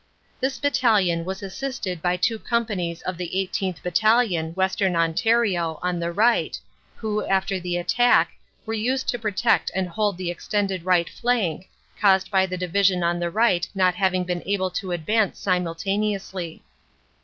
This Battalion was assisted by two companies of the 18th. Battalion, Western Ontario, on the right, who after the attack, were used to protect and hold the extended right flank, caused by the Division on the right not having been able to advance simultaneously.